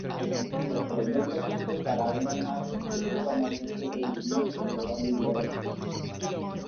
Sorprendentemente para una nave de su tamaño su rendimiento era muy bueno.